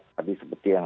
tadi seperti yang